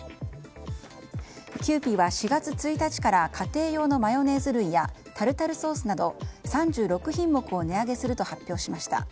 キユーピーは４月１日から家庭用のマヨネーズ類やタルタルソースなど３６品目を値上げすると発表しました。